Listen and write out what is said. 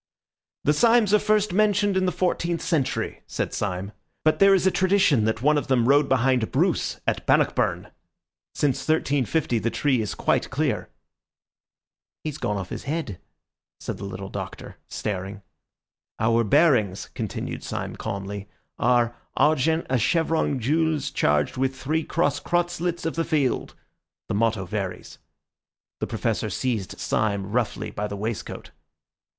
"The Symes are first mentioned in the fourteenth century," said Syme; "but there is a tradition that one of them rode behind Bruce at Bannockburn. Since 1350 the tree is quite clear." "He's gone off his head," said the little Doctor, staring. "Our bearings," continued Syme calmly, "are 'argent a chevron gules charged with three cross crosslets of the field.' The motto varies." The Professor seized Syme roughly by the waistcoat.